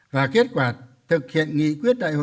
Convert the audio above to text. và kết quả thực hiện nghiên cứu tổng kết một số vấn đề lý luận